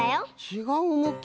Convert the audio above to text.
ちがうむき？